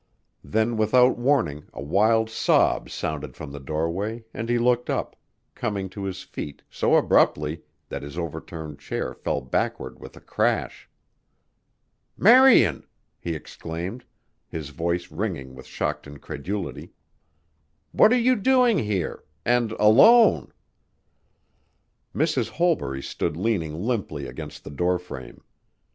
Then without warning a wild sob sounded from the doorway and he looked up, coming to his feet so abruptly that his overturned chair fell backward with a crash. "Marian!" he exclaimed, his voice ringing with shocked incredulity. "What are you doing here and alone?" Mrs. Holbury stood leaning limply against the door frame.